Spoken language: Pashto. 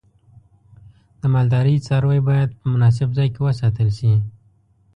د مالدارۍ څاروی باید په مناسب ځای کې وساتل شي.